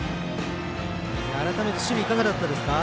改めて守備いかがだったですか？